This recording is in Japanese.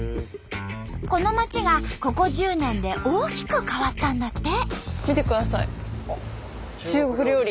この町がここ１０年で大きく変わったんだって！